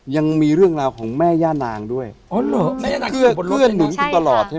ยังมีเรื่องราวของแม่ย่านางด้วยอ๋อเหรอแม่ย่านางอยู่บนรถเนี่ย